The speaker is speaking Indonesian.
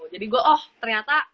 jadi gue oh ternyata